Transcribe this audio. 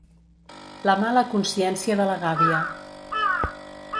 La mala consciència de la gàbia.